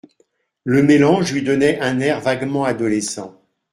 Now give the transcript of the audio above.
Le mélange lui donnait un air vaguement adolescent.